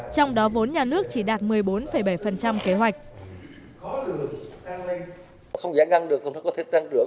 trong đó vốn nhà nước chỉ đạt một mươi bốn bảy kế hoạch